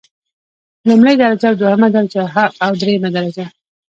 لومړۍ درجه او دوهمه درجه او دریمه درجه.